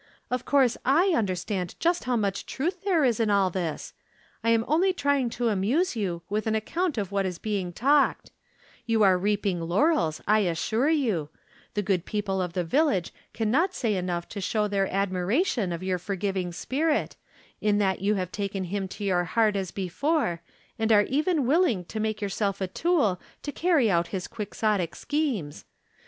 Of course /understand just how much truth there is in all this ; I am only trying to amuse you with an ac count of what is being talked ; you are reaping laurels, I assure you ; the good people of the vil lage can not say enough to show their admira tion of your forgiving spirit, in that you have taken him to your heart as before, and are even willing to make yourself a tool to carry out his quixotic schemes.